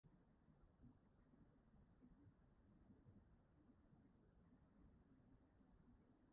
"Ydyn, dw i'n meddwl" meddai'r hwyaden a dechrau eu cyfrif.